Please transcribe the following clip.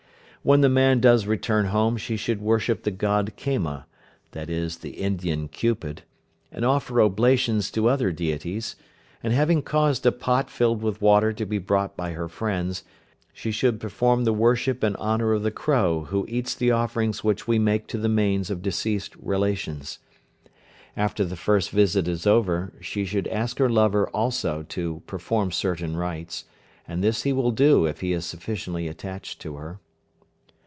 When the man does return home she should worship the God Kama (i.e., the Indian Cupid), and offer oblations to other Deities, and having caused a pot filled with water to be brought by her friends, she should perform the worship in honour of the crow who eats the offerings which we make to the manes of deceased relations. After the first visit is over she should ask her lover also to perform certain rites, and this he will do if he is sufficiently attached to her.